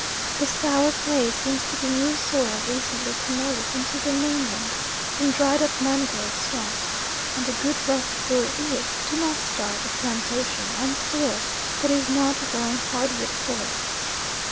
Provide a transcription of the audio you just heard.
The sour clay seems to be new soil recently promoted into the mainland from dried up mangrove swamps, and a good rough rule is, do not start a plantation on soil that is not growing hard wood forest.